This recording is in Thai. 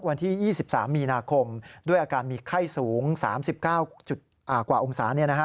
วันที่๒๓มีนาคมด้วยอาการมีไข้สูง๓๙กว่าองศา